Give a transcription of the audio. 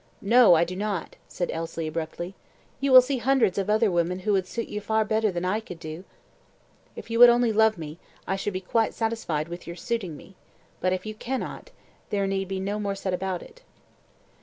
"No, I do not," said Elsie, abruptly. "You will see hundreds of other women who would suit you far better than I could do." "If you would only love me, I should be quite satisfied with your suiting me but if you cannot, there need be no more said about it."